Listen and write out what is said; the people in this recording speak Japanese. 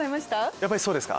やっぱりそうですか。